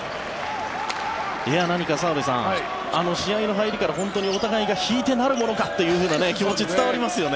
何か澤部さん、試合の入りから本当にお互いが引いてなるものかという気持ちが伝わりますよね。